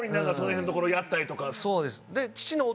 そうです。